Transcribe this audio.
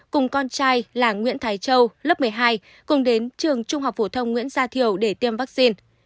cùng con trai là nguyễn thái châu lớp một mươi hai cùng đến trường trung học phổ thông nguyễn gia thiều để tiêm vaccine